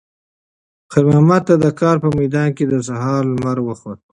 خیر محمد ته د کار په میدان کې د سهار لمر وخوت.